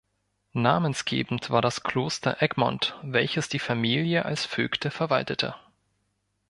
Namensgebend war das Kloster Egmond, welches die Familie als Vögte verwaltete.